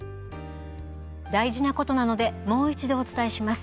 大事なことなのでもう一度お伝えします。